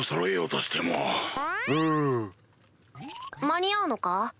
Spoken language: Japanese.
間に合うのか？